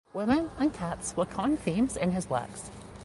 Women and cats were common themes in his works.